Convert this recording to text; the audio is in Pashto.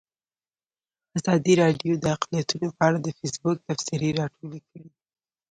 ازادي راډیو د اقلیتونه په اړه د فیسبوک تبصرې راټولې کړي.